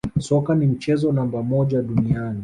Soka ni mchezo namba moja duniani